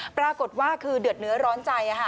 ปรากฏว่าคือเดือดเนื้อร้อนใจ